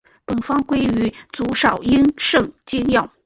本方归于足少阴肾经药。